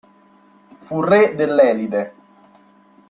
Fu re dell'Elide.